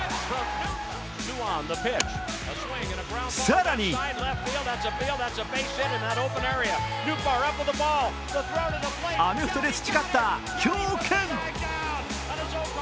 更に、アメフトで培った強肩。